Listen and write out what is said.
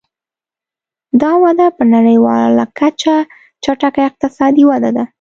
دا وده په نړیواله کچه چټکه اقتصادي وده ده.